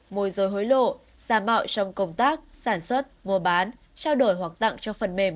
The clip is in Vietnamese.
môi rơi hối lộ giả mạo trong công tác sản xuất mua bán trao đổi hoặc tặng cho phần mềm